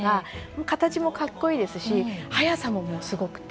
形も格好いいですし速さもすごくて。